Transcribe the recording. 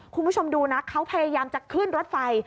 คุณผู้ชมดูนะเขาพยายามจะขึ้นรถไฟ